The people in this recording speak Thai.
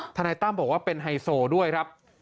นายตั้มบอกว่าเป็นไฮโซด้วยครับ